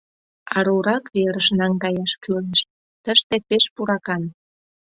Арурак верыш наҥгаяш кӱлеш, тыште пеш пуракан.